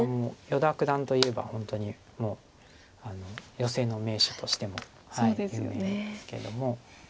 依田九段といえば本当にもうヨセの名手としても有名ですけども。